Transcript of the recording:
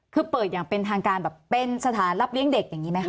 คือเปิดอย่างเป็นทางการแบบเป็นสถานรับเลี้ยงเด็กอย่างนี้ไหมคะ